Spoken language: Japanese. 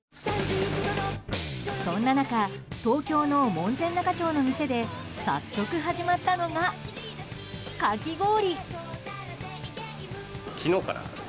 そんな中、東京の門前仲町の店で早速始まったのが、かき氷。